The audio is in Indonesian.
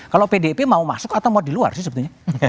kalau pdip mau masuk atau mau di luar sih sebetulnya